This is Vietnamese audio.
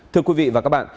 thưa quý vị và các bạn